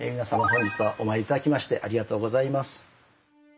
本日はお参り頂きましてありがとうございます。